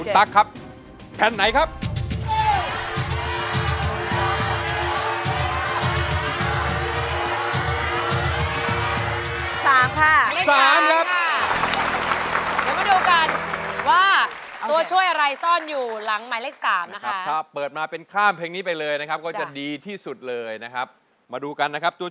ตั๊กครับแผ่นไหนครับ